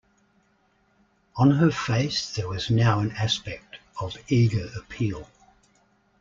On her face there was now an aspect of eager appeal.